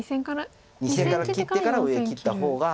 ２線切ってから上切った方が。